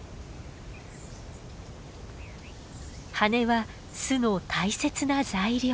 羽根は巣の大切な材料。